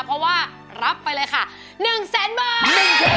เพราะว่ารับไปเลยค่ะ๑แสนบาท